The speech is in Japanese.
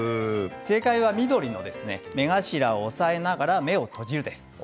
正解は、緑の目頭を押さえながら目を閉じるです。